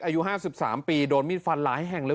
อายุ๕๓ปีโดนมีดฟันหลายแห่งเลย